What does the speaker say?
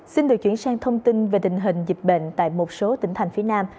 xin được chuyển sang thông tin về tình hình dịch bệnh tại một số tỉnh thành phía nam